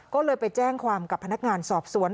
ก็เลยไปแจ้งความกับพนักงานสอบสวน